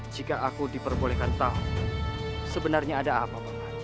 jika aku diperbolehkan tahu sebenarnya ada apa